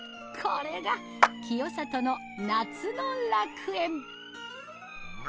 これが清里の夏の楽園。